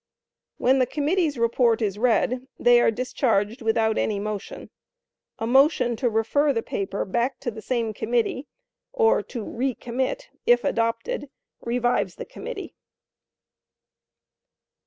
When the committee's report is read, they are discharged without any motion. A motion to refer the paper back to the same committee (or to re commit), if adopted, revives the committee.